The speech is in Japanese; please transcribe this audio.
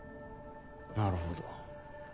なるほど。